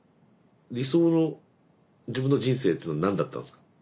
理想の自分の人生というのは何だったんですか。